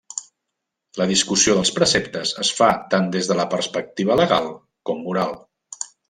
La discussió dels preceptes es fa tant des de la perspectiva legal com moral.